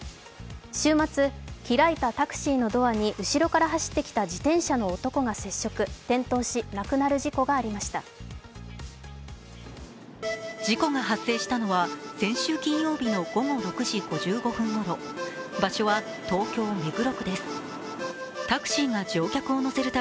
週末、開いたタクシーのドアに後ろから走ってきた自転車の男が接触転倒し亡くなる事故がありました。